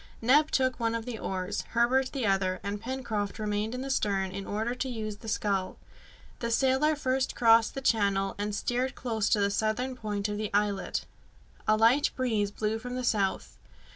Neb took one of the oars, Herbert the other, and Pencroft remained in the stern in order to use the skull. The sailor first crossed the channel, and steered close to the southern point of the islet. A light breeze blew from the south.